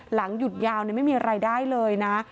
หลังหยุดยาวไม่มีรายได้เลยนะ